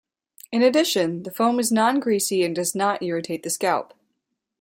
In addition, the foam is non-greasy and does not irritate the scalp.